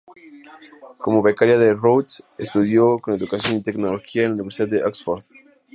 Como becaria de Rhodes, estudió educación y tecnología en la Universidad de Oxford.